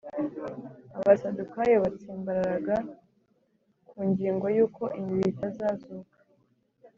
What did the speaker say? ” Abasadukayo batsimbararaga ku ngingo yuko imibiri itazazuka